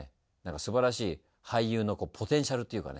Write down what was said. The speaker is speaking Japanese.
すばらしい俳優のポテンシャルっていうかね